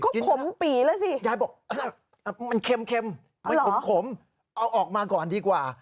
ก็ขมปีแล้วสิยายบอกมันเค็มมันขมเอาออกมาก่อนดีกว่า